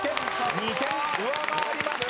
２点上回りました。